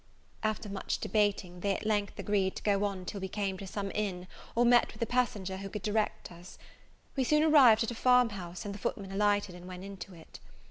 After much debating, they at length agreed to go on till we came to some inn, or met with a passenger who could direct us. We soon arrived at a farm house, and the footman alighted, and went into it.